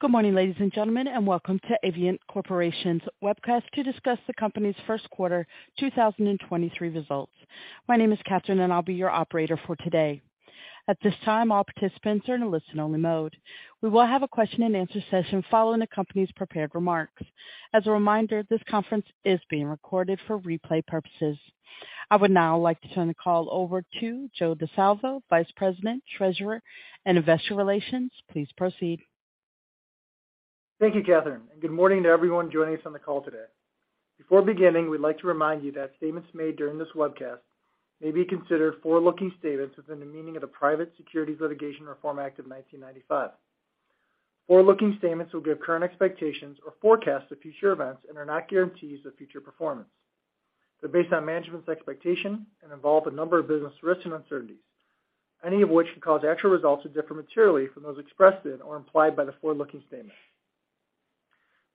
Good morning, ladies and gentlemen, welcome to Avient Corporation's webcast to discuss the company's first quarter 2023 results. My name is Catherine, I'll be your operator for today. At this time, all participants are in a listen-only mode. We will have a question-and-answer session following the company's prepared remarks. As a reminder, this conference is being recorded for replay purposes. I would now like to turn the call over to Joe Di Salvo, Vice President, Treasurer, and Investor Relations. Please proceed. Thank you, Catherine, and good morning to everyone joining us on the call today. Before beginning, we'd like to remind you that statements made during this webcast may be considered forward-looking statements within the meaning of the Private Securities Litigation Reform Act of 1995. Forward-looking statements will give current expectations or forecasts of future events and are not guarantees of future performance. They're based on management's expectation and involve a number of business risks and uncertainties, any of which could cause actual results to differ materially from those expressed in or implied by the forward-looking statement.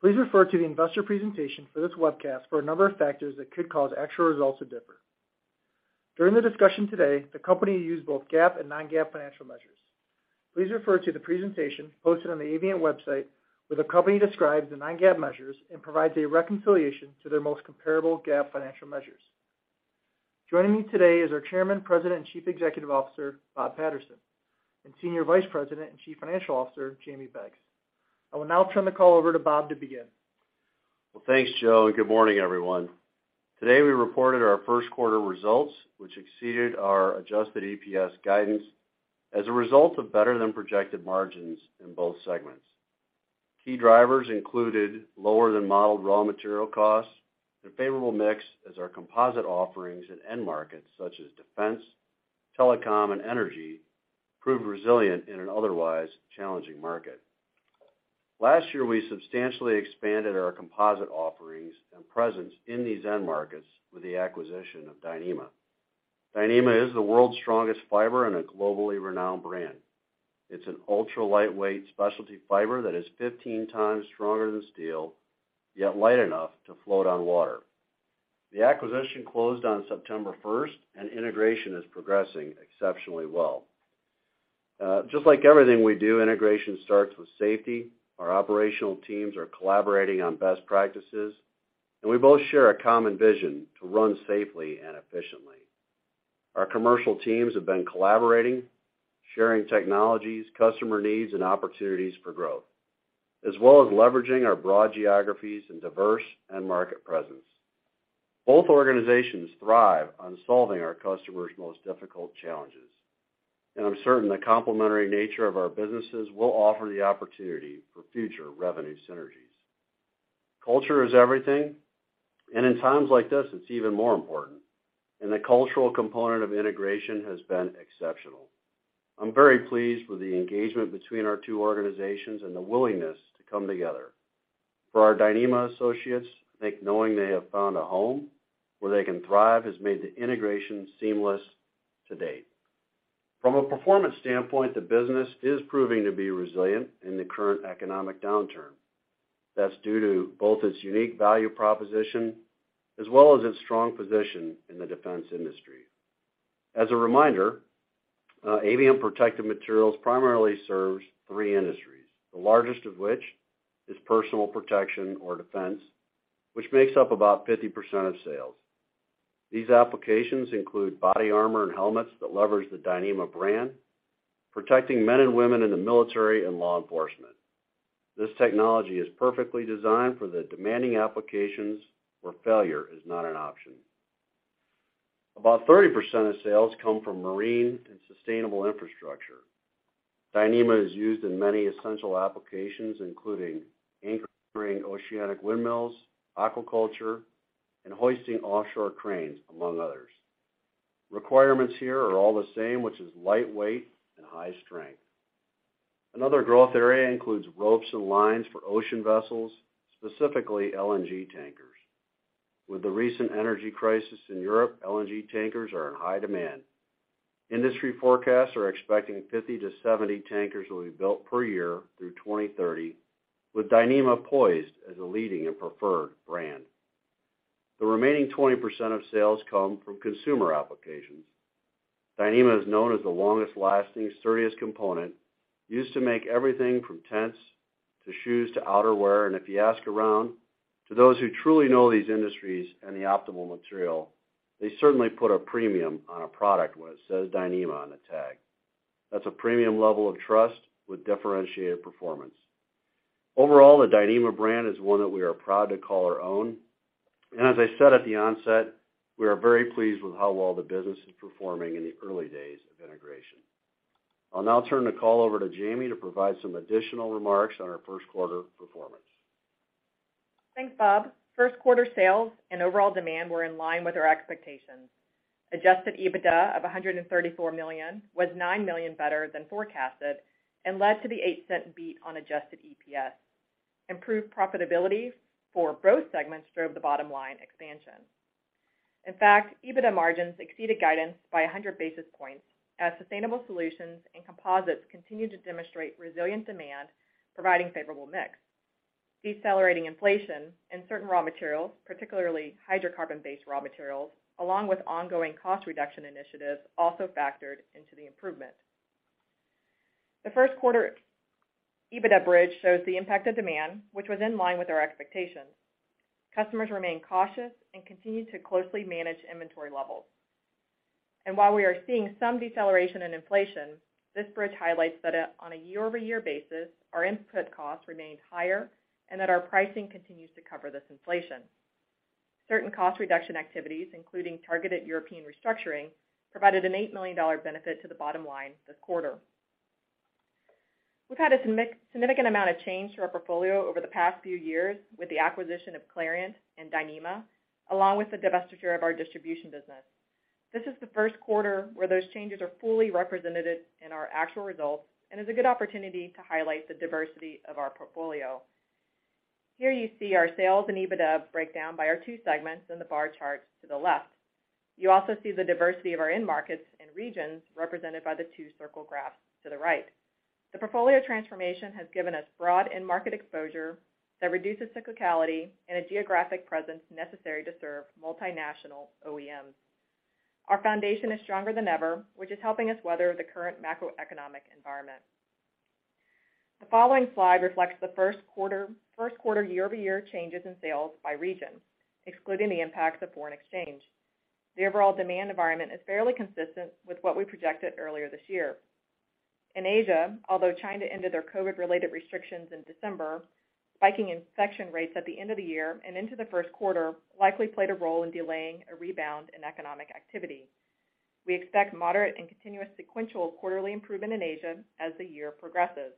Please refer to the investor presentation for this webcast for a number of factors that could cause actual results to differ. During the discussion today, the company used both GAAP and non-GAAP financial measures. Please refer to the presentation posted on the Avient website, where the company describes the non-GAAP measures and provides a reconciliation to their most comparable GAAP financial measures. Joining me today is our Chairman, President, and Chief Executive Officer, Bob Patterson, and Senior Vice President and Chief Financial Officer, Jamie Beggs. I will now turn the call over to Bob to begin. Well, thanks, Joe. Good morning, everyone. Today, we reported our first quarter results, which exceeded our adjusted EPS guidance as a result of better-than-projected margins in both segments. Key drivers included lower-than-modeled raw material costs and favorable mix as our composite offerings and end markets, such as defense, telecom, and energy, proved resilient in an otherwise challenging market. Last year, we substantially expanded our composite offerings and presence in these end markets with the acquisition of Dyneema. Dyneema is the world's strongest fiber and a globally renowned brand. It's an ultra-lightweight specialty fiber that is 15 times stronger than steel, yet light enough to float on water. The acquisition closed on September first. Integration is progressing exceptionally well. Just like everything we do, integration starts with safety. Our operational teams are collaborating on best practices. We both share a common vision to run safely and efficiently. Our commercial teams have been collaborating, sharing technologies, customer needs, and opportunities for growth, as well as leveraging our broad geographies and diverse end market presence. Both organizations thrive on solving our customers' most difficult challenges, and I'm certain the complementary nature of our businesses will offer the opportunity for future revenue synergies. Culture is everything, and in times like this, it's even more important, and the cultural component of integration has been exceptional. I'm very pleased with the engagement between our two organizations and the willingness to come together. For our Dyneema associates, I think knowing they have found a home where they can thrive has made the integration seamless to date. From a performance standpoint, the business is proving to be resilient in the current economic downturn. That's due to both its unique value proposition, as well as its strong position in the defense industry. As a reminder, Avient Protective Materials primarily serves three industries, the largest of which is personal protection or defense, which makes up about 50% of sales. These applications include body armor and helmets that leverage the Dyneema brand, protecting men and women in the military and law enforcement. This technology is perfectly designed for the demanding applications where failure is not an option. About 30% of sales come from marine and sustainable infrastructure. Dyneema is used in many essential applications, including anchoring oceanic windmills, aquaculture, and hoisting offshore cranes, among others. Requirements here are all the same, which is lightweight and high strength. Another growth area includes ropes and lines for ocean vessels, specifically LNG tankers. With the recent energy crisis in Europe, LNG tankers are in high demand. Industry forecasts are expecting 50-70 tankers will be built per year through 2030, with Dyneema poised as a leading and preferred brand. The remaining 20% of sales come from consumer applications. Dyneema is known as the longest-lasting, sturdiest component used to make everything from tents to shoes to outerwear. If you ask around to those who truly know these industries and the optimal material, they certainly put a premium on a product when it says Dyneema on the tag. That's a premium level of trust with differentiated performance. Overall, the Dyneema brand is one that we are proud to call our own. As I said at the onset, we are very pleased with how well the business is performing in the early days of integration. I'll now turn the call over to Jamie to provide some additional remarks on our first quarter performance. Thanks, Bob. First quarter sales and overall demand were in line with our expectations. Adjusted EBITDA of $134 million was $9 million better than forecasted and led to the $0.08 beat on adjusted EPS. Improved profitability for both segments drove the bottom line expansion. In fact, EBITDA margins exceeded guidance by 100 basis points as sustainable solutions and composites continued to demonstrate resilient demand, providing favorable mix. Decelerating inflation in certain raw materials, particularly hydrocarbon-based raw materials, along with ongoing cost reduction initiatives also factored into the improvement. The first quarter EBITDA bridge shows the impact of demand, which was in line with our expectations. Customers remain cautious and continue to closely manage inventory levels. While we are seeing some deceleration in inflation, this bridge highlights that on a year-over-year basis, our input costs remained higher and that our pricing continues to cover this inflation. Certain cost reduction activities, including targeted European restructuring, provided an $8 million benefit to the bottom line this quarter. We've had a significant amount of change to our portfolio over the past few years with the acquisition of Clariant and Dyneema, along with the divestiture of our distribution business. This is the first quarter where those changes are fully represented in our actual results and is a good opportunity to highlight the diversity of our portfolio. Here you see our sales and EBITDA break down by our two segments in the bar charts to the left. You also see the diversity of our end markets and regions represented by the two circle graphs to the right. The portfolio transformation has given us broad end market exposure that reduces cyclicality and a geographic presence necessary to serve multinational OEMs. Our foundation is stronger than ever, which is helping us weather the current macroeconomic environment. The following slide reflects the first quarter year-over-year changes in sales by region, excluding the impacts of foreign exchange. The overall demand environment is fairly consistent with what we projected earlier this year. In Asia, although China ended their COVID-related restrictions in December, spiking infection rates at the end of the year and into the first quarter likely played a role in delaying a rebound in economic activity. We expect moderate and continuous sequential quarterly improvement in Asia as the year progresses.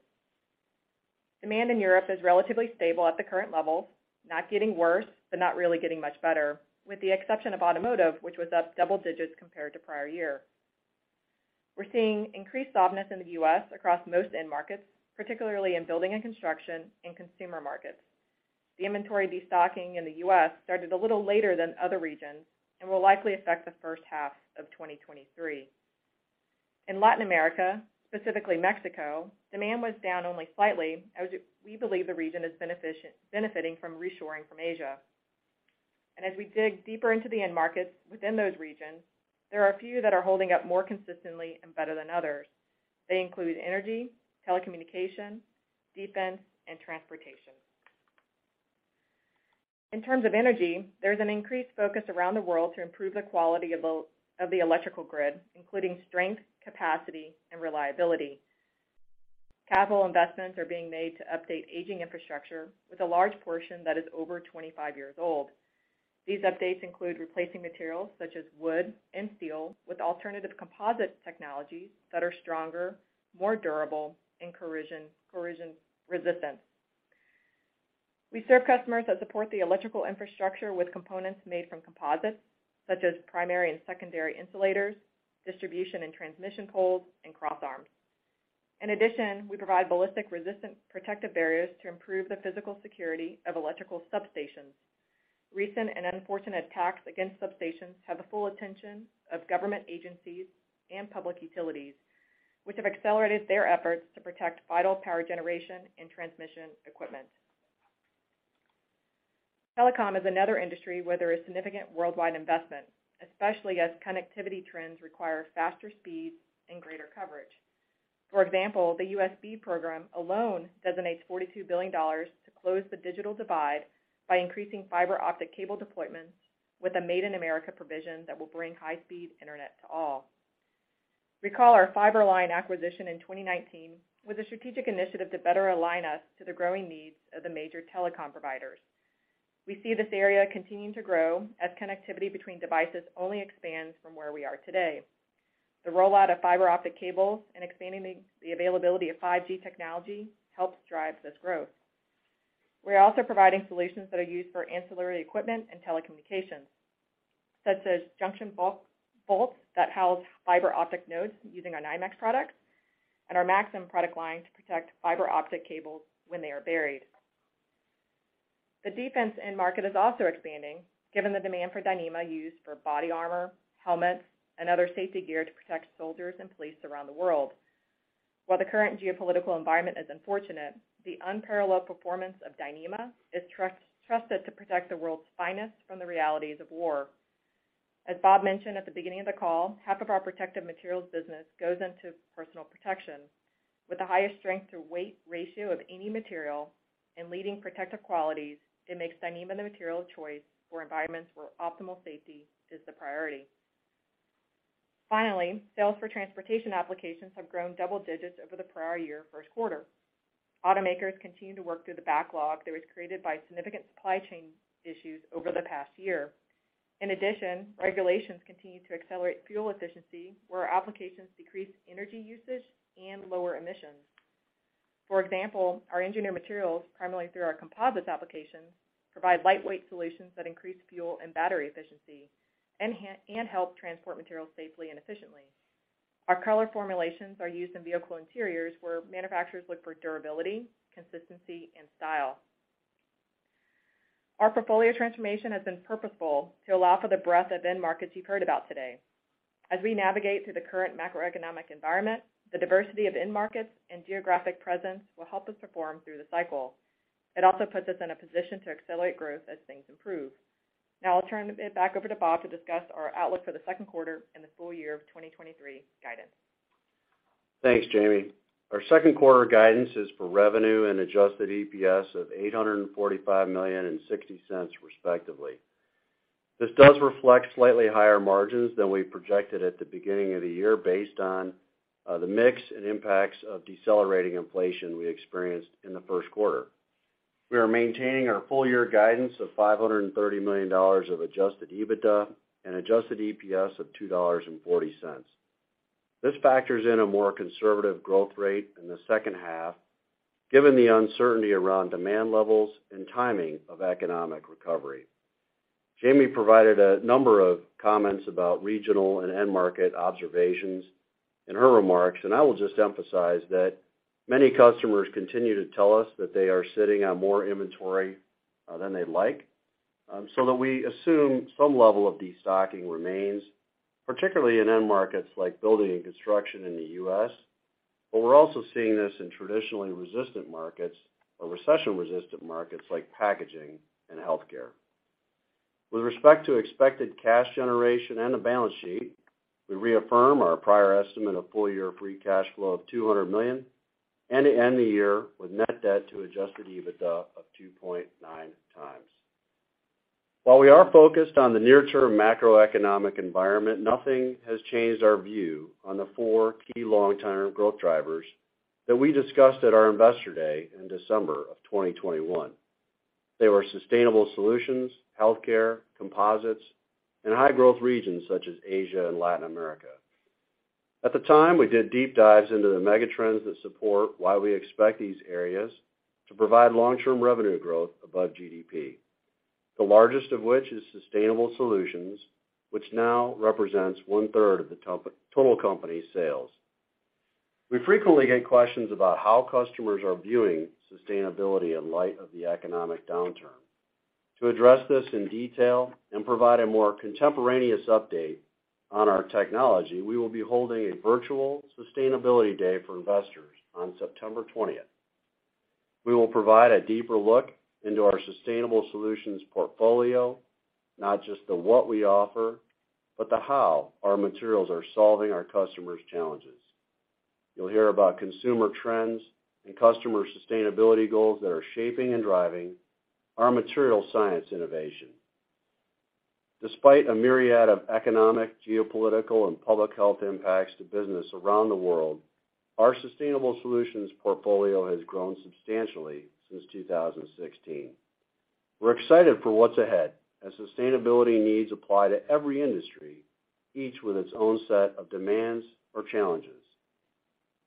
Demand in Europe is relatively stable at the current levels, not getting worse, but not really getting much better, with the exception of automotive, which was up double digits compared to prior year. We're seeing increased softness in the U.S. across most end markets, particularly in building and construction and consumer markets. The inventory destocking in the U.S. started a little later than other regions and will likely affect the first half of 2023. In Latin America, specifically Mexico, demand was down only slightly as we believe the region is benefiting from reshoring from Asia. As we dig deeper into the end markets within those regions, there are a few that are holding up more consistently and better than others. They include energy, telecommunication, defense, and transportation. In terms of energy, there is an increased focus around the world to improve the quality of the electrical grid, including strength, capacity, and reliability. Capital investments are being made to update aging infrastructure with a large portion that is over 25 years old. These updates include replacing materials such as wood and steel with alternative composite technologies that are stronger, more durable, and corrosion resistant. We serve customers that support the electrical infrastructure with components made from composites, such as primary and secondary insulators, distribution and transmission poles, and crossarms. In addition, we provide ballistic-resistant protective barriers to improve the physical security of electrical substations. Recent and unfortunate attacks against substations have the full attention of government agencies and public utilities, which have accelerated their efforts to protect vital power generation and transmission equipment. Telecom is another industry where there is significant worldwide investment, especially as connectivity trends require faster speeds and greater coverage. For example, the BEAD program alone designates $42 billion to close the digital divide by increasing fiber optic cable deployments with a Made in America provision that will bring high-speed internet to all. Recall our Fiber-Line acquisition in 2019 was a strategic initiative to better align us to the growing needs of the major telecom providers. We see this area continuing to grow as connectivity between devices only expands from where we are today. The rollout of fiber optic cables and expanding the availability of 5G technology helps drive this growth. We are also providing solutions that are used for ancillary equipment and telecommunications, such as junction bolts that house fiber optic nodes using our Nymax products and our Maxxam product line to protect fiber optic cables when they are buried. The defense end market is also expanding, given the demand for Dyneema used for body armor, helmets, and other safety gear to protect soldiers and police around the world. While the current geopolitical environment is unfortunate, the unparalleled performance of Dyneema is trusted to protect the world's finest from the realities of war. As Bob mentioned at the beginning of the call, half of our protective materials business goes into personal protection. With the highest strength-to-weight ratio of any material and leading protective qualities, it makes Dyneema the material of choice for environments where optimal safety is the priority. Finally, sales for transportation applications have grown double digits over the prior year first quarter. Automakers continue to work through the backlog that was created by significant supply chain issues over the past year. In addition, regulations continue to accelerate fuel efficiency where applications decrease energy usage and lower emissions. For example, our engineered materials, primarily through our composites applications, provide lightweight solutions that increase fuel and battery efficiency and help transport materials safely and efficiently. Our Color formulations are used in vehicle interiors where manufacturers look for durability, consistency, and style. Our portfolio transformation has been purposeful to allow for the breadth of end markets you've heard about today. As we navigate through the current macroeconomic environment, the diversity of end markets and geographic presence will help us perform through the cycle. It also puts us in a position to accelerate growth as things improve. Now I'll turn it back over to Bob to discuss our outlook for the second quarter and the full year of 2023 guidance. Thanks, Jamie. Our second quarter guidance is for revenue and adjusted EPS of $845 million and $0.60, respectively. This does reflect slightly higher margins than we projected at the beginning of the year based on the mix and impacts of decelerating inflation we experienced in the first quarter. We are maintaining our full year guidance of $530 million of adjusted EBITDA and adjusted EPS of $2.40. This factors in a more conservative growth rate in the second half, given the uncertainty around demand levels and timing of economic recovery. Jamie provided a number of comments about regional and end market observations in her remarks. I will just emphasize that many customers continue to tell us that they are sitting on more inventory than they'd like, that we assume some level of destocking remains, particularly in end markets like building and construction in the U.S. We're also seeing this in traditionally resistant markets or recession-resistant markets like packaging and healthcare. With respect to expected cash generation and the balance sheet, we reaffirm our prior estimate of full year free cash flow of $200 million and end the year with net debt to adjusted EBITDA of 2.9x. While we are focused on the near-term macroeconomic environment, nothing has changed our view on the four key long-term growth drivers that we discussed at our Investor Day in December of 2021. They were sustainable solutions, healthcare, composites, and high growth regions such as Asia and Latin America. At the time, we did deep dives into the mega trends that support why we expect these areas to provide long-term revenue growth above GDP, the largest of which is sustainable solutions, which now represents `1/3 of the total company sales. We frequently get questions about how customers are viewing sustainability in light of the economic downturn. To address this in detail and provide a more contemporaneous update on our technology, we will be holding a virtual Sustainability Day for investors on September 20th. We will provide a deeper look into our sustainable solutions portfolio, not just the what we offer, but the how our materials are solving our customers' challenges. You'll hear about consumer trends and customer sustainability goals that are shaping and driving our material science innovation. Despite a myriad of economic, geopolitical, and public health impacts to business around the world, our sustainable solutions portfolio has grown substantially since 2016. We're excited for what's ahead as sustainability needs apply to every industry, each with its own set of demands or challenges.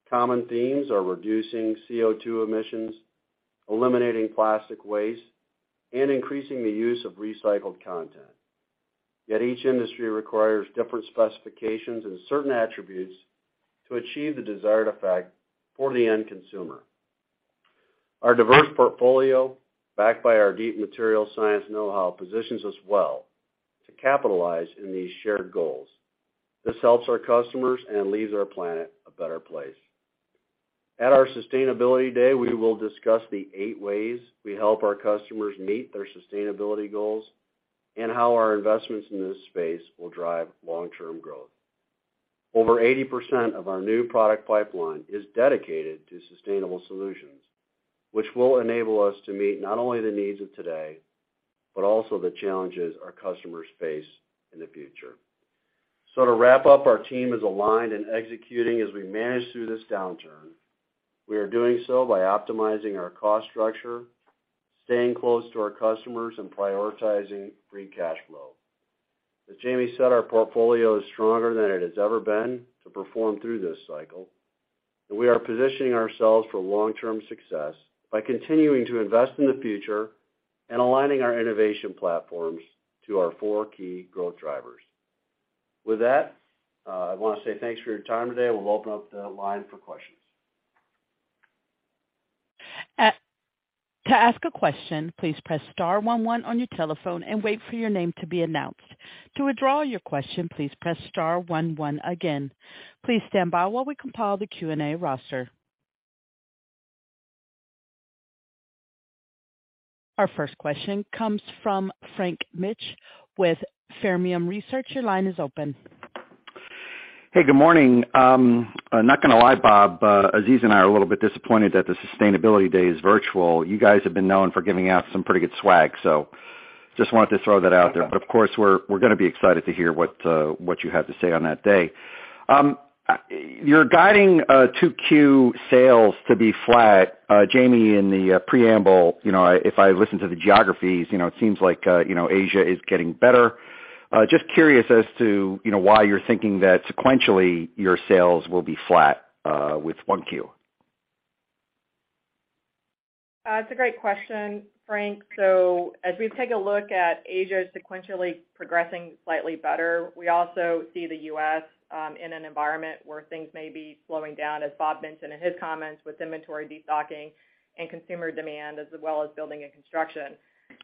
Common themes are reducing CO2 emissions, eliminating plastic waste, and increasing the use of recycled content. Each industry requires different specifications and certain attributes to achieve the desired effect for the end consumer. Our diverse portfolio, backed by our deep material science know-how, positions us well to capitalize in these shared goals. This helps our customers and leaves our planet a better place. At our Sustainability Day, we will discuss the eight ways we help our customers meet their sustainability goals and how our investments in this space will drive long-term growth. Over 80% of our new product pipeline is dedicated to sustainable solutions, which will enable us to meet not only the needs of today, but also the challenges our customers face in the future. To wrap up, our team is aligned and executing as we manage through this downturn. We are doing so by optimizing our cost structure, staying close to our customers, and prioritizing free cash flow. As Jamie said, our portfolio is stronger than it has ever been to perform through this cycle, and we are positioning ourselves for long-term success by continuing to invest in the future and aligning our innovation platforms to our four key growth drivers. With that, I wanna say thanks for your time today. We'll open up the line for questions. To ask a question, please press star one one on your telephone and wait for your name to be announced. To withdraw your question, please press star one one again. Please stand by while we compile the Q&A roster. Our first question comes from Frank Mitsch with Fermium Research. Your line is open. Hey, good morning. I'm not gonna lie, Bob, Aziz and I are a little bit disappointed that the Sustainability Day is virtual. You guys have been known for giving out some pretty good swag, so just wanted to throw that out there. Of course, we're gonna be excited to hear what you have to say on that day. You're guiding 2Q sales to be flat. Jamie, in the preamble, you know, if I listen to the geographies, you know, it seems like, you know, Asia is getting better. Just curious as to, you know, why you're thinking that sequentially your sales will be flat with 1Q? It's a great question, Frank. As we take a look at Asia sequentially progressing slightly better, we also see the U.S. in an environment where things may be slowing down, as Bob mentioned in his comments, with inventory destocking and consumer demand, as well as building and construction.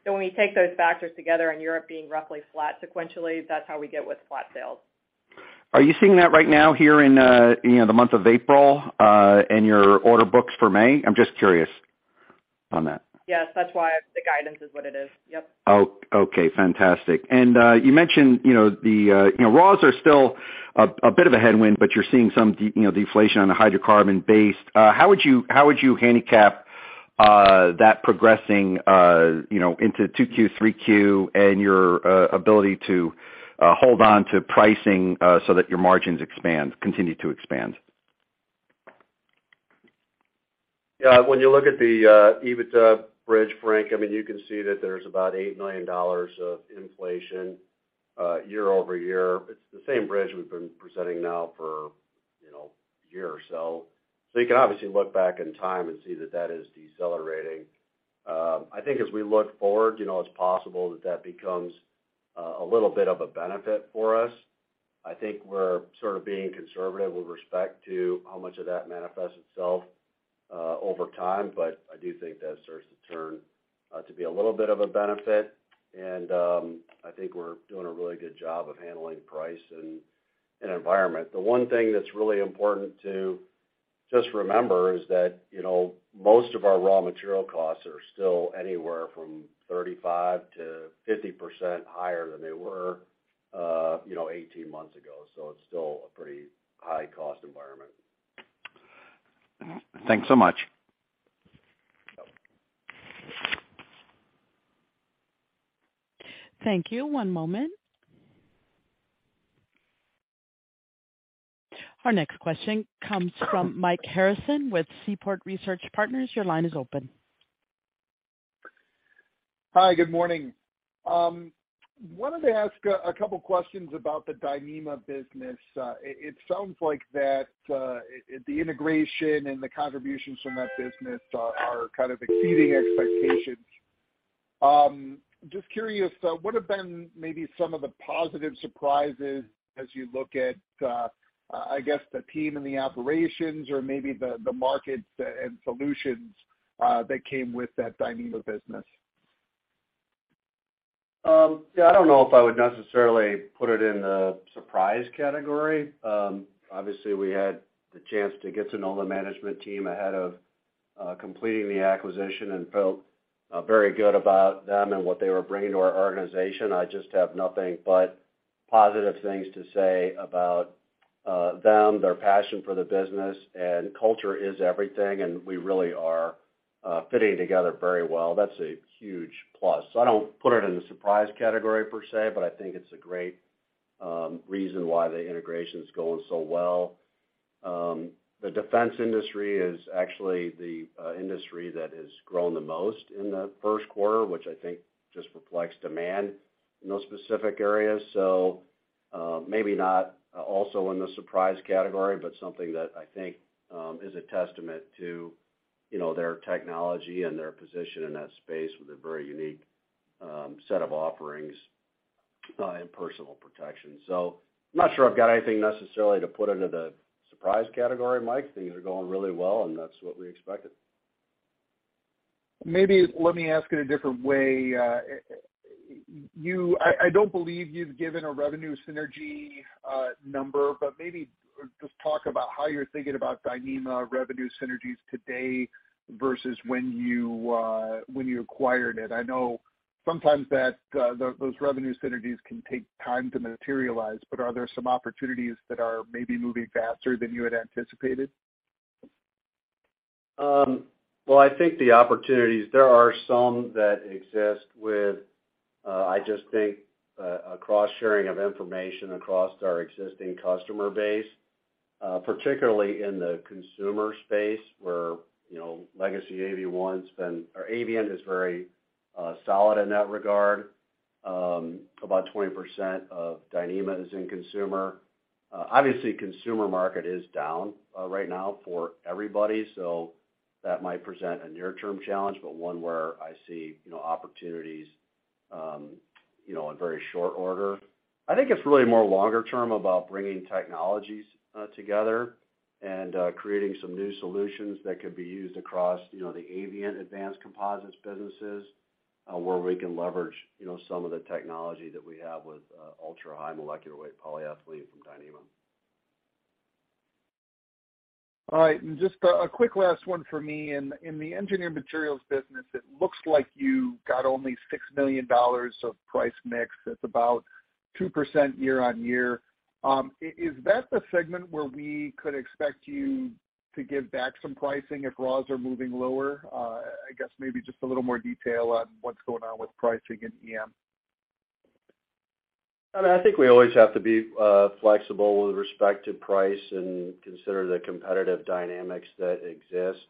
When we take those factors together and Europe being roughly flat sequentially, that's how we get with flat sales. Are you seeing that right now here in, you know, the month of April, in your order books for May? I'm just curious on that. Yes. That's why the guidance is what it is. Yep. Okay, fantastic. You mentioned, you know, the, you know, raws are still a bit of a headwind, but you're seeing some, you know, deflation on the hydrocarbon base. How would you handicap that progressing, you know, into 2Q, 3Q and your ability to hold on to pricing, so that your margins expand, continue to expand? When you look at the EBITDA bridge, Frank, I mean, you can see that there's about $8 million of inflation year-over-year. It's the same bridge we've been presenting now for, you know, one year or so. You can obviously look back in time and see that that is decelerating. I think as we look forward, you know, it's possible that that becomes a little bit of a benefit for us. I think we're sort of being conservative with respect to how much of that manifests itself over time, but I do think that starts to turn to be a little bit of a benefit. I think we're doing a really good job of handling price and environment. The one thing that's really important to just remember is that, you know, most of our raw material costs are still anywhere from 35%-50% higher than they were, you know, 18 months ago. It's still a pretty high cost environment. Thanks so much. Yep. Thank you. One moment. Our next question comes from Mike Harrison with Seaport Research Partners. Your line is open. Hi, good morning. Wanted to ask a couple questions about the Dyneema business. It sounds like that the integration and the contributions from that business are kind of exceeding expectations. Just curious, what have been maybe some of the positive surprises as you look at, I guess, the team and the operations or maybe the markets and solutions that came with that Dyneema business? Yeah, I don't know if I would necessarily put it in the surprise category. Obviously, we had the chance to get to know the management team ahead of completing the acquisition and felt very good about them and what they were bringing to our organization. I just have nothing but positive things to say about them, their passion for the business. Culture is everything, and we really are fitting together very well. That's a huge plus. I don't put it in the surprise category per se, but I think it's a great reason why the integration's going so well. The defense industry is actually the industry that has grown the most in the first quarter, which I think just reflects demand in those specific areas. Maybe not also in the surprise category, but something that I think, is a testament to, you know, their technology and their position in that space with a very unique, set of offerings, in personal protection. I'm not sure I've got anything necessarily to put into the surprise category, Mike. Things are going really well, and that's what we expected. Maybe let me ask it a different way. I don't believe you've given a revenue synergy number, but maybe just talk about how you're thinking about Dyneema revenue synergies today versus when you acquired it. I know sometimes that those revenue synergies can take time to materialize, but are there some opportunities that are maybe moving faster than you had anticipated? Well, I think the opportunities, there are some that exist with, I just think, a cross-sharing of information across our existing customer base, particularly in the consumer space where, you know, legacy Avient's been or Avient is very solid in that regard. About 20% of Dyneema is in consumer. Obviously consumer market is down right now for everybody, that might present a near-term challenge, but one where I see, you know, opportunities, you know, in very short order. I think it's really more longer term about bringing technologies together and creating some new solutions that could be used across, you know, the Avient Advanced Composites businesses, where we can leverage, you know, some of the technology that we have with ultra-high-molecular-weight polyethylene from Dyneema. All right. Just a quick last one for me. In the engineered materials business, it looks like you got only $6 million of price mix. That's about 2% year-on-year. Is that the segment where we could expect you to give back some pricing if raws are moving lower? I guess maybe just a little more detail on what's going on with pricing in EM. I mean, I think we always have to be flexible with respect to price and consider the competitive dynamics that exist.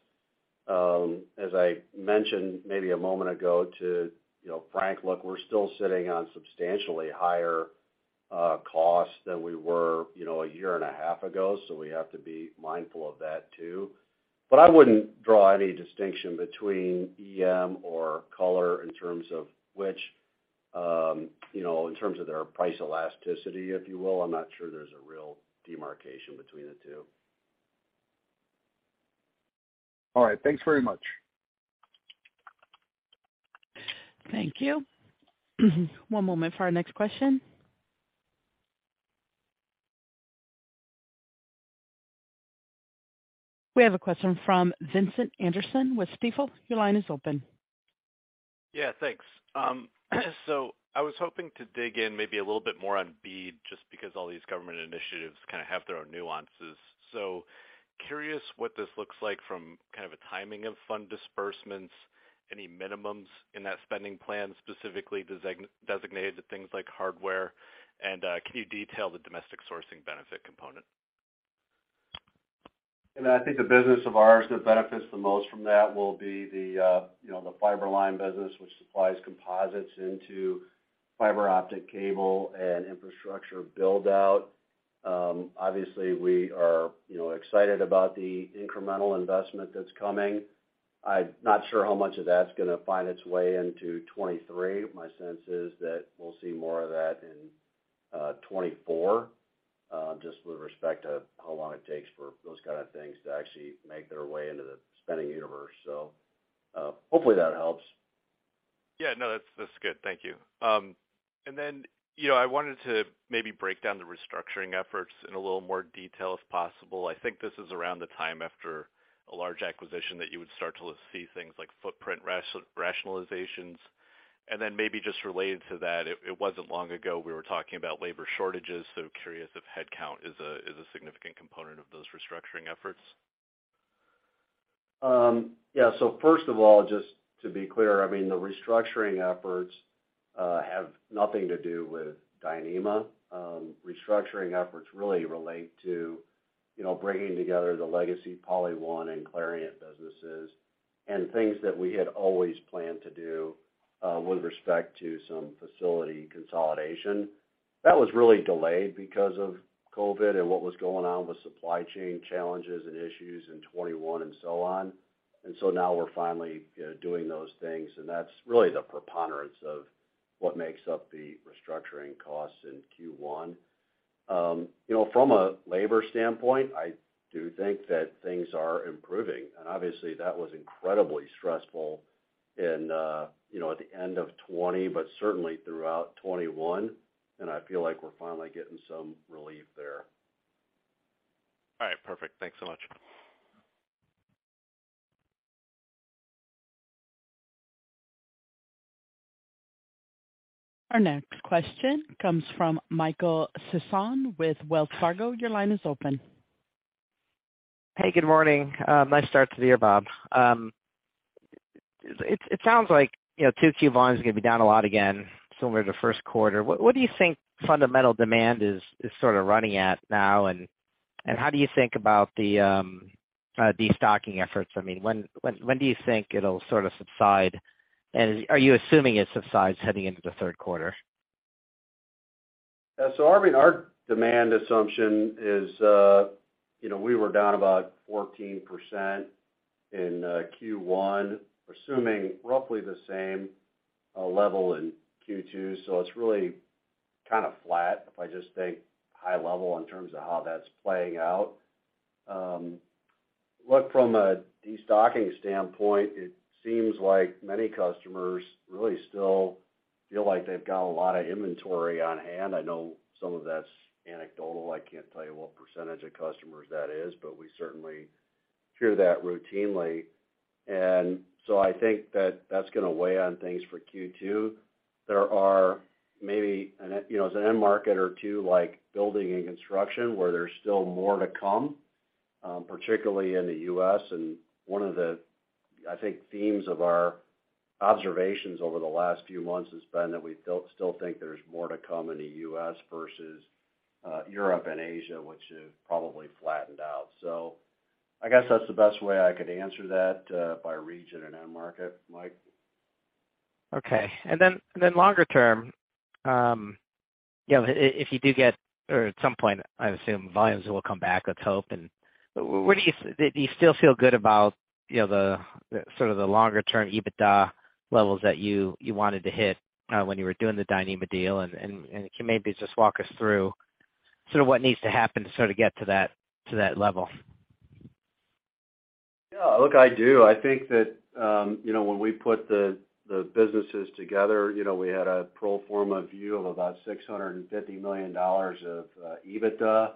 As I mentioned maybe a moment ago to, you know, Frank, look, we're still sitting on substantially higher costs than we were, you know, a year and a half ago, so we have to be mindful of that too. I wouldn't draw any distinction between EM or Color in terms of which, you know, in terms of their price elasticity, if you will. I'm not sure there's a real demarcation between the two. All right. Thanks very much. Thank you. One moment for our next question. We have a question from Vincent Anderson with Stifel. Your line is open. Yeah, thanks. I was hoping to dig in maybe a little bit more on BEAD, just because all these government initiatives kinda have their own nuances. Curious what this looks like from kind of a timing of fund disbursements, any minimums in that spending plan specifically designated to things like hardware, and can you detail the domestic sourcing benefit component? I think the business of ours that benefits the most from that will be the, you know, the Fiber-Line business, which supplies composites into fiber optic cable and infrastructure build-out. Obviously we are, you know, excited about the incremental investment that's coming. I'm not sure how much of that's gonna find its way into 2023. My sense is that we'll see more of that in 2024, just with respect to how long it takes for those kind of things to actually make their way into the spending universe. Hopefully that helps. Yeah. No. That's, that's good. Thank you. You know, I wanted to maybe break down the restructuring efforts in a little more detail, if possible. I think this is around the time after a large acquisition that you would start to see things like footprint rationalizations. Maybe just related to that, it wasn't long ago we were talking about labor shortages, so curious if headcount is a significant component of those restructuring efforts. Yeah. Just to be clear, the restructuring efforts have nothing to do with Dyneema. Restructuring efforts really relate to bringing together the legacy PolyOne and Clariant businesses and things that we had always planned to do with respect to some facility consolidation. That was really delayed because of COVID and what was going on with supply chain challenges and issues in 2021 and so on. We're finally doing those things, and that's really the preponderance of what makes up the restructuring costs in Q1. From a labor standpoint, I do think that things are improving. That was incredibly stressful at the end of 2020, but certainly throughout 2021, and I feel like we're finally getting some relief there. All right. Perfect. Thanks so much. Our next question comes from Michael Sison with Wells Fargo. Your line is open. Hey, good morning. nice start to the year, Bob. it sounds like, you know, two Q1s are gonna be down a lot again, similar to the first quarter. What do you think fundamental demand is sort of running at now? How do you think about the destocking efforts? I mean, when do you think it'll sort of subside? Are you assuming it subsides heading into the third quarter? Yeah. I mean, our demand assumption is, we were down about 14% in Q1. We're assuming roughly the same level in Q2. It's really kind of flat, if I just think high level in terms of how that's playing out. Look, from a destocking standpoint, it seems like many customers really still feel like they've got a lot of inventory on hand. I know some of that's anecdotal. I can't tell you what percentage of customers that is, but we certainly hear that routinely. I think that that's gonna weigh on things for Q2. There are maybe there's an end market or two, like building and construction, where there's still more to come, particularly in the U.S. One of the, I think, themes of our observations over the last few months has been that we still think there's more to come in the U.S. versus Europe and Asia, which have probably flattened out. I guess that's the best way I could answer that by region and end market, Mike. Okay. Then longer term, you know, if you do get or at some point, I assume volumes will come back, let's hope. What do you still feel good about, you know, the sort of the longer term EBITDA levels that you wanted to hit, when you were doing the Dyneema deal? Can maybe just walk us through sort of what needs to happen to sort of get to that, to that level? Yeah. Look, I do. I think that, you know, when we put the businesses together, you know, we had a pro forma view of about $650 million of EBITDA.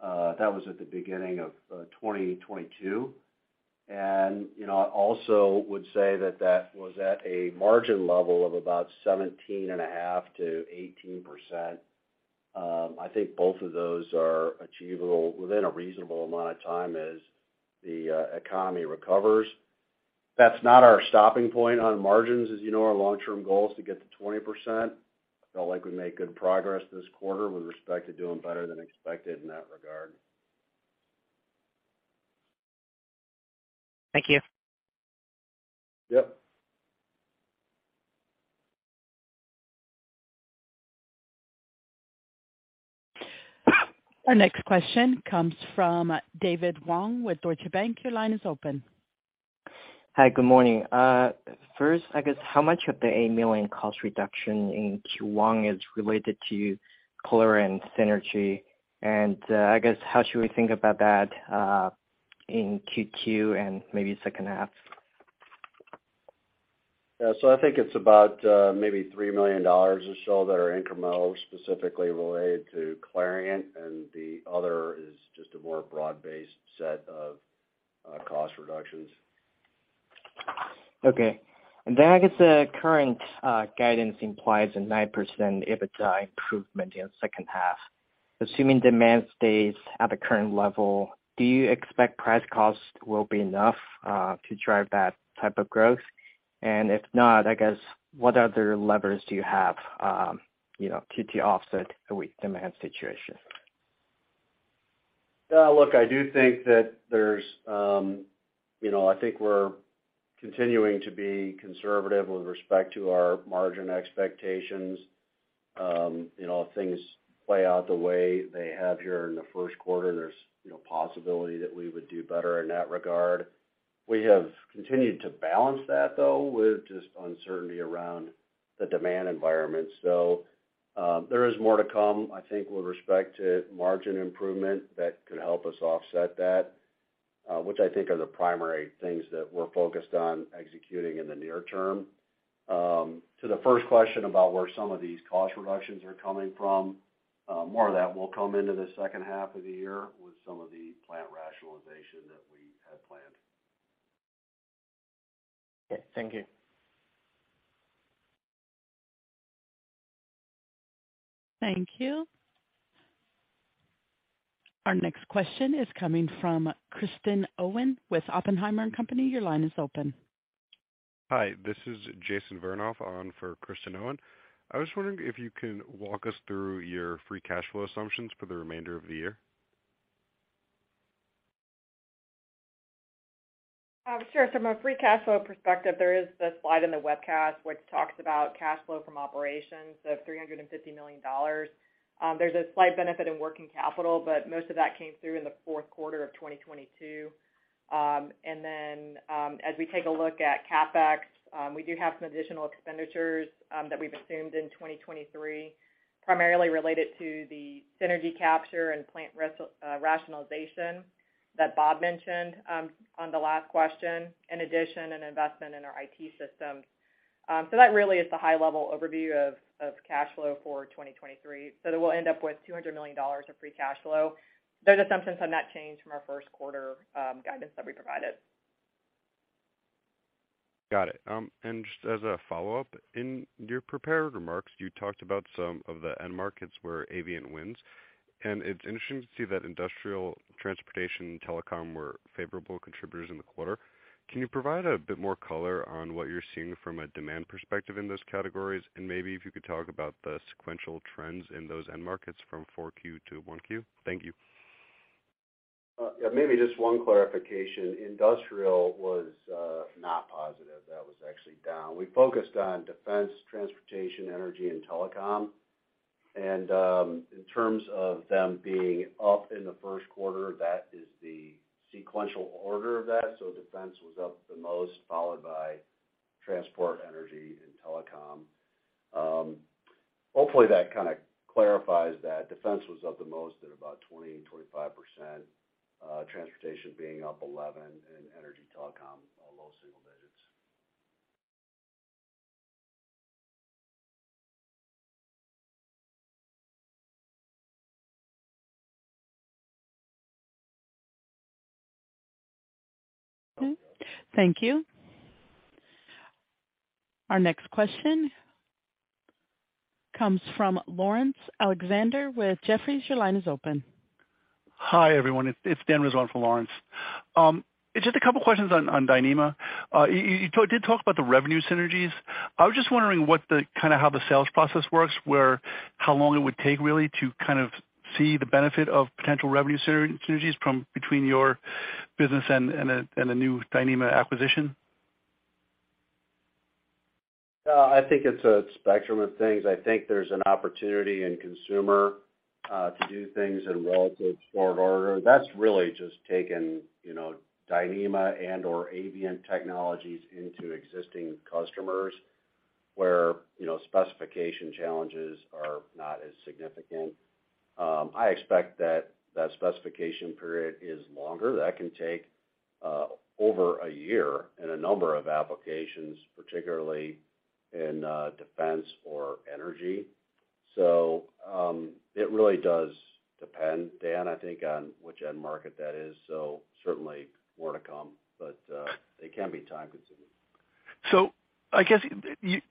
That was at the beginning of 2022. I also would say that that was at a margin level of about 17.5%-18%. I think both of those are achievable within a reasonable amount of time as the economy recovers. That's not our stopping point on margins. As you know, our long-term goal is to get to 20%. I felt like we made good progress this quarter with respect to doing better than expected in that regard. Thank you. Yep. Our next question comes from David Huang with Deutsche Bank. Your line is open. Hi. Good morning. First, I guess how much of the $8 million cost reduction in Q1 is related to Clariant synergy? I guess, how should we think about that in Q2 and maybe second half? Yeah. I think it's about maybe $3 million or so that are incremental, specifically related to Clariant, and the other is just a more broad-based set of cost reductions. Okay. I guess the current guidance implies a 9% EBITDA improvement in second half. Assuming demand stays at the current level, do you expect price cost will be enough to drive that type of growth? If not, I guess, what other levers do you have, you know, to offset a weak demand situation? Look, I do think that there's, you know, I think we're continuing to be conservative with respect to our margin expectations. You know, if things play out the way they have here in the first quarter, there's, you know, possibility that we would do better in that regard. We have continued to balance that though with just uncertainty around the demand environment. There is more to come, I think, with respect to margin improvement that could help us offset that, which I think are the primary things that we're focused on executing in the near term. To the first question about where some of these cost reductions are coming from, more of that will come into the second half of the year with some of the plant rationalization that we had planned. Okay. Thank you. Thank you. Our next question is coming from Kristen Owen with Oppenheimer & Company. Your line is open. Hi, this is Jason Vernoff on for Kristen Owen. I was wondering if you can walk us through your free cash flow assumptions for the remainder of the year. Sure. From a free cash flow perspective, there is the slide in the webcast which talks about cash flow from operations of $350 million. There's a slight benefit in working capital, but most of that came through in the fourth quarter of 2022. As we take a look at CapEx, we do have some additional expenditures, that we've assumed in 2023, primarily related to the synergy capture and plant rationalization that Bob mentioned, on the last question. In addition, an investment in our IT systems. That really is the high level overview of cash flow for 2023. We'll end up with $200 million of free cash flow. Those assumptions have not changed from our first quarter, guidance that we provided. Got it. Just as a follow-up, in your prepared remarks, you talked about some of the end markets where Avient wins, and it's interesting to see that industrial transportation telecom were favorable contributors in the quarter. Can you provide a bit more color on what you're seeing from a demand perspective in those categories? Maybe if you could talk about the sequential trends in those end markets from 4Q to 1Q. Thank you. Yeah, maybe just one clarification. Industrial was not positive. That was actually down. We focused on defense, transportation, energy and telecom. In terms of them being up in the first quarter, that is the sequential order of that. Defense was up the most, followed by transport, energy and telecom. Hopefully that kind of clarifies that. Defense was up the most at about 20%-25%, transportation being up 11, and energy, telecom, low single digits. Okay. Thank you. Our next question comes from Laurence Alexander with Jefferies. Your line is open. Hi, everyone. It's Dan Rizzo for Laurence. Just a couple questions on Dyneema. You did talk about the revenue synergies. I was just wondering what the kinda how the sales process works, where, how long it would take really to kind of see the benefit of potential revenue synergies from between your business and the new Dyneema acquisition. I think it's a spectrum of things. I think there's an opportunity in consumer to do things in relative short order. That's really just taking, you know, Dyneema and/or Avient technologies into existing customers where, you know, specification challenges are not as significant. I expect that that specification period is longer. That can take over a year in a number of applications, particularly in defense or energy. It really does depend, Dan, I think, on which end market that is. Certainly more to come, but they can be time-consuming. I guess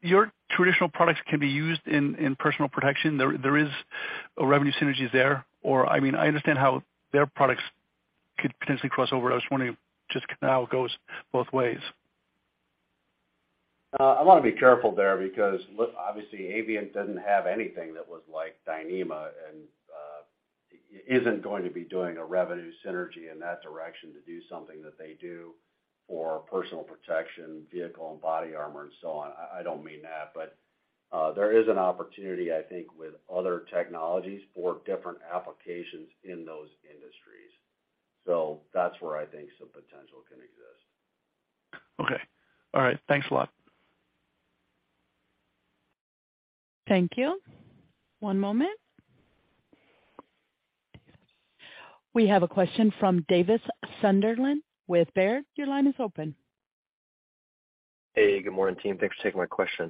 your traditional products can be used in personal protection. There is a revenue synergies there, or, I mean, I understand how their products could potentially cross over. I was wondering just now it goes both ways. I wanna be careful there because obviously Avient doesn't have anything that was like Dyneema and isn't going to be doing a revenue synergy in that direction to do something that they do for personal protection, vehicle and body armor and so on. I don't mean that. There is an opportunity, I think, with other technologies for different applications in those industries. That's where I think some potential can exist. Okay. All right. Thanks a lot. Thank you. One moment. We have a question from Davis Sunderland with Baird. Your line is open. Hey, good morning, team. Thanks for taking my question.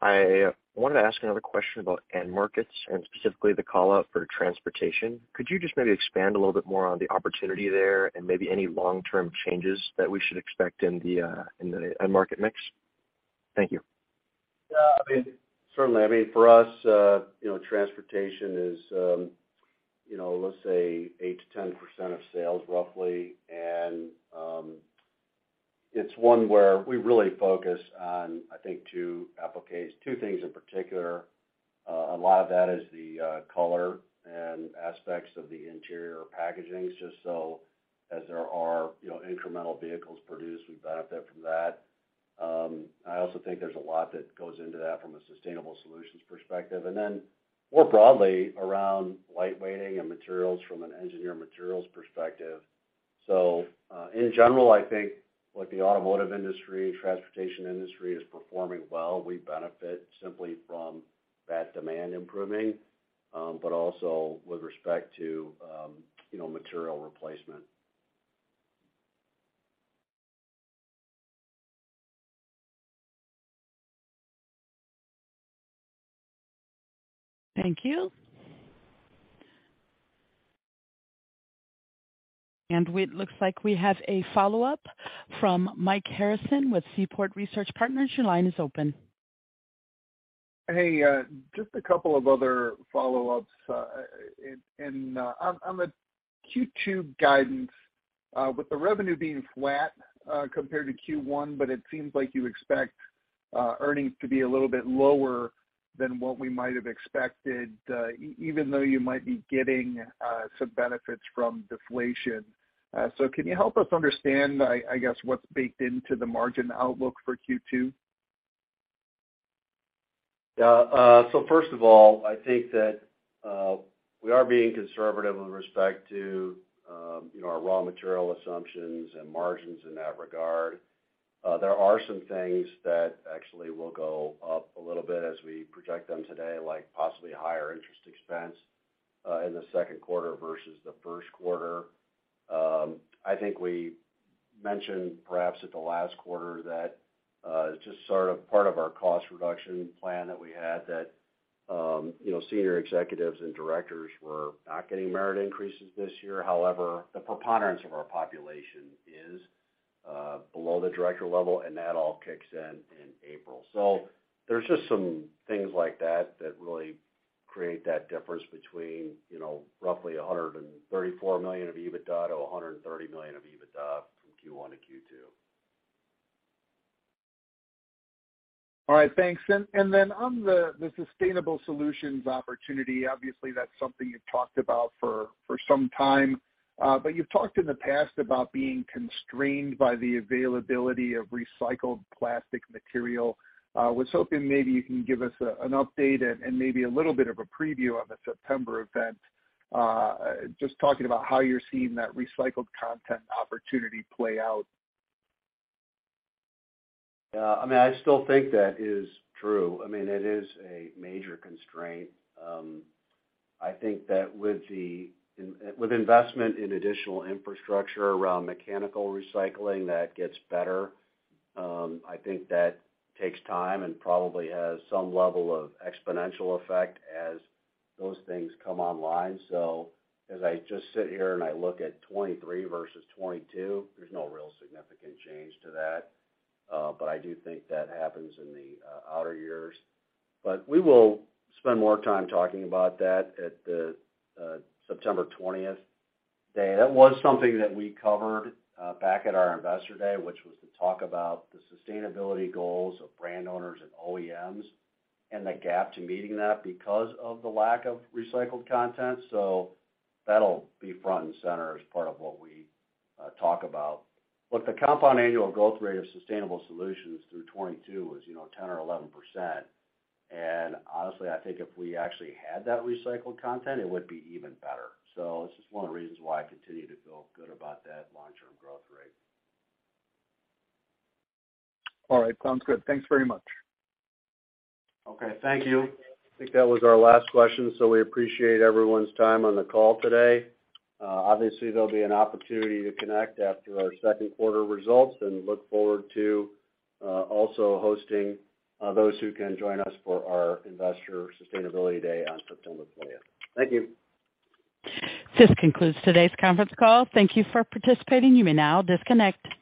I wanted to ask another question about end markets and specifically the call-out for transportation. Could you just maybe expand a little bit more on the opportunity there and maybe any long-term changes that we should expect in the end market mix? Thank you. Yeah. I mean, certainly. I mean, for us, you know, transportation is, you know, let's say 8%-10% of sales roughly. It's one where we really focus on, I think, two applications, two things in particular. A lot of that is the Color and aspects of the interior packaging. Just so as there are, you know, incremental vehicles produced, we benefit from that. I also think there's a lot that goes into that from a sustainable solutions perspective. More broadly, around lightweighting and materials from an engineered materials perspective. In general, I think with the automotive industry, transportation industry is performing well. We benefit simply from that demand improving, but also with respect to, you know, material replacement. Thank you. It looks like we have a follow-up from Mike Harrison with Seaport Research Partners. Your line is open. Hey, just a couple of other follow-ups. On the Q2 guidance, with the revenue being flat, compared to Q1, but it seems like you expect earnings to be a little bit lower than what we might have expected, even though you might be getting some benefits from deflation. Can you help us understand, I guess, what's baked into the margin outlook for Q2? Yeah. First of all, I think that we are being conservative with respect to, you know, our raw material assumptions and margins in that regard. There are some things that actually will go up a little bit as we project them today, like possibly higher interest expense in the second quarter versus the first quarter. I think we mentioned perhaps at the last quarter that just sort of part of our cost reduction plan that we had, that, you know, senior executives and directors were not getting merit increases this year. However, the preponderance of our population is below the director level, and that all kicks in in April. There's just some things like that that really create that difference between, you know, roughly $134 million of EBITDA to $130 million of EBITDA from Q1 to Q2. All right. Thanks. Then on the sustainable solutions opportunity, obviously that's something you've talked about for some time, but you've talked in the past about being constrained by the availability of recycled plastic material. Was hoping maybe you can give us an update and maybe a little bit of a preview on the September event, just talking about how you're seeing that recycled content opportunity play out. Yeah. I mean, I still think that is true. I mean, it is a major constraint. I think that with investment in additional infrastructure around mechanical recycling, that gets better. I think that takes time and probably has some level of exponential effect as those things come online. As I just sit here and I look at 23 versus 22, there's no real significant change to that. I do think that happens in the outer years. We will spend more time talking about that at the September 20th day. That was something that we covered back at our Investor Day, which was to talk about the sustainability goals of brand owners and OEMs and the gap to meeting that because of the lack of recycled content. That'll be front and center as part of what we talk about. Look, the compound annual growth rate of sustainable solutions through 2022 is, you know, 10% or 11%. Honestly, I think if we actually had that recycled content, it would be even better. It's just one of the reasons why I continue to feel good about that long-term growth rate. All right. Sounds good. Thanks very much. Thank you. I think that was our last question, so we appreciate everyone's time on the call today. Obviously, there'll be an opportunity to connect after our second quarter results, look forward to also hosting those who can join us for our Investor Sustainability Day on September 20th. Thank you. This concludes today's conference call. Thank you for participating. You may now disconnect.